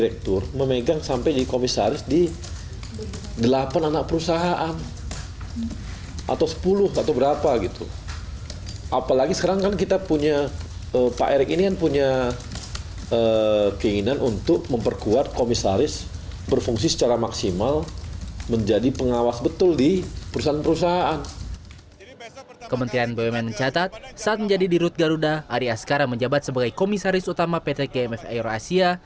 kementerian bumn mencatat saat menjadi di rut garuda arya skara menjabat sebagai komisaris utama pt kmf aero asia